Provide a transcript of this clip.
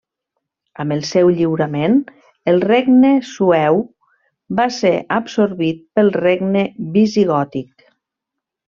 Amb el seu lliurament, el regne sueu va ser absorbit pel regne visigòtic.